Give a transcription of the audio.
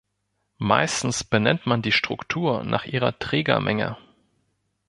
Meistens benennt man die Struktur nach ihrer Trägermenge.